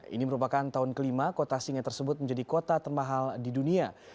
ini merupakan tahun kelima kota singa tersebut menjadi kota termahal di dunia